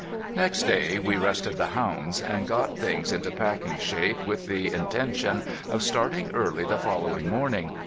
Next day we rested the hounds, and got things into packing shape with the intention of starting early the following morning.